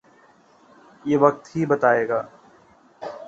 یہ وقت ہی بتائے گا۔